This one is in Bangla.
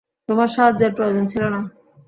তোমার সাহায্যের প্রয়োজন ছিল না।